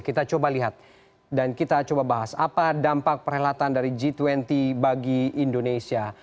kita coba lihat dan kita coba bahas apa dampak perhelatan dari g dua puluh bagi indonesia